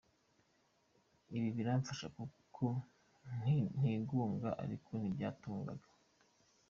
Ibi biramfasha kuko ntigunga, ariko ntibyagutunga.